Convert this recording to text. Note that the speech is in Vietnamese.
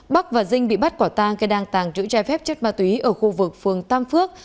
bắc và dinh bị bắt quả tang khi đang tàng trữ trái phép chất ma túy ở khu vực phường tam phước